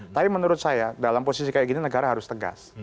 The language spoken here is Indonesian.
tapi menurut saya dalam posisi kayak gini negara harus tegas